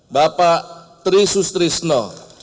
bapak trisus trisno